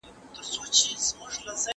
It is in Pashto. ¬آس مي در کی، پر سپرېږې به نه.